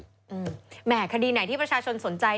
แหม่คดีไหนที่ประชาชนสนใจ